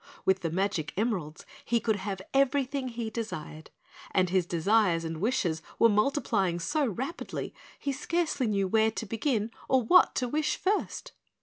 With the magic emeralds he could have everything he desired, and his desires and wishes were multiplying so rapidly he scarcely knew where to begin or what to wish first.